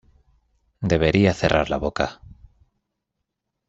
Debería cerrar la boca.